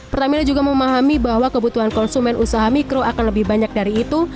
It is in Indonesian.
pertamina juga memahami bahwa kebutuhan konsumen usaha mikro akan lebih banyak dari itu